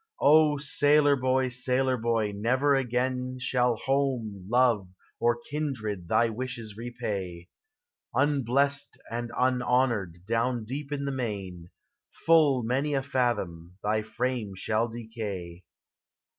O sailor boy! sailor boy! never again Shall home, love, or kindred thy wishes repay; Unblessed and unhonored, down deep in the main, Full many a fathom, thy frame shall decay.